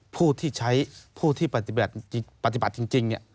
ผู้ที่ใช้ผู้ที่ปฏิบัติจริง